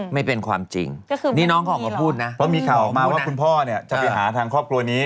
ไม่เป็นความจริงนี่น้องเขาออกมาพูดนะเพราะมีข่าวออกมาว่าคุณพ่อเนี่ยจะไปหาทางครอบครัวนี้